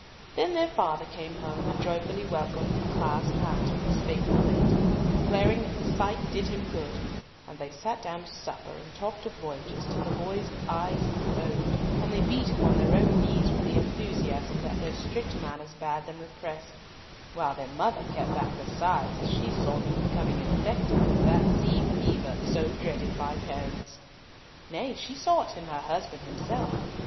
Then their father came home, and joyfully welcomed and clasped hands with his faithful mate, declaring that the sight did him good; and they sat down to supper and talked of voyages, till the boys' eyes glowed, and they beat upon their own knees with the enthusiasm that their strict manners bade them repress; while their mother kept back her sighs as she saw them becoming infected with that sea fever so dreaded by parents. Nay, she saw it in her husband himself.